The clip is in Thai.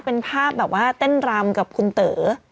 เป็นภาพแบบว่าเต้นรำกับคุณเต๋อ